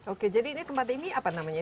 oke jadi ini tempat ini apa namanya